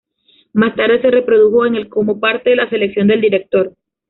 Más tarde se reprodujo en el como parte de la selección del Director.